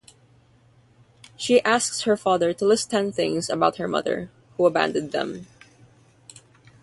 She asks her father to list ten things about her mother, who abandoned them.